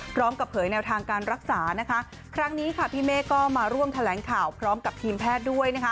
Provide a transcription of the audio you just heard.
พร้อมกับเผยแนวทางการรักษาครั้งนี้พี่เมฆก็มาร่วมแถลงข่าวพร้อมกับทีมแพทย์ด้วย